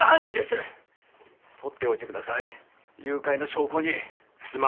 撮っておいて下さい誘拐の証拠に。